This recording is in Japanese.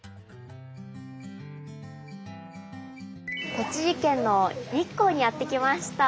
栃木県の日光にやって来ました。